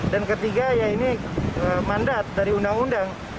dan ketiga ya ini mandat dari undang undang